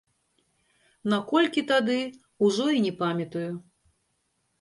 На колькі тады, ужо і не памятаю.